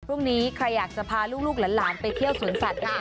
พรุ่งนี้ใครอยากจะพาลูกหลานไปเที่ยวสวนสัตว์ค่ะ